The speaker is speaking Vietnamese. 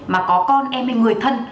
mà có con em hay người thân